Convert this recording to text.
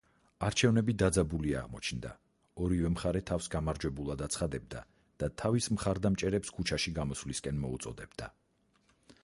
არჩევნები დაძაბული აღმოჩნდა; ორივე მხარე თავს გამარჯვებულად აცხადებდა და თავის მხარდამჭერებს ქუჩაში გამოსვლისკენ მოუწოდებდა.